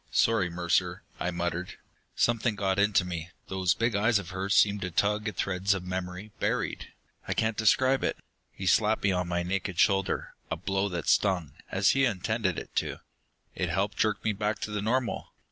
"Sorry, Mercer," I muttered. "Something got into me. Those big eyes of hers seemed to tug at threads of memory ... buried.... I can't describe it...." He slapped me on my naked shoulder, a blow that stung, as he had intended it to. It helped jerk me back to the normal.